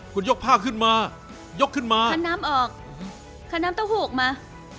คุณยกผ้าขึ้นมายกขึ้นมาคันน้ำออกคันน้ำเต้าหูกมา